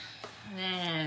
ねえ